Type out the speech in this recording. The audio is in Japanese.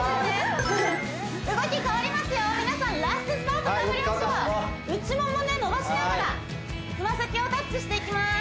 動き変わりますよ皆さんラストスパート頑張りましょう内ももね伸ばしながらつま先をタッチしていきます